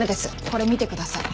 これ見てください。